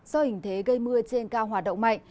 do hình thế gây mưa trên cao hoạt động mạnh